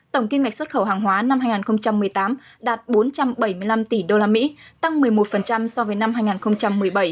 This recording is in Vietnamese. tổng kim ngạch xuất khẩu hàng hóa năm hai nghìn một mươi tám đạt bốn trăm bảy mươi năm tỷ usd tăng một mươi một so với năm hai nghìn một mươi bảy